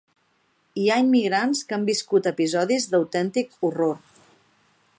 Hi ha immigrants que han viscut episodis d'autèntic horror.